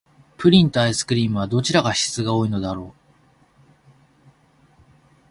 プリンとアイスクリームは、どちらが脂質が多いのだろう。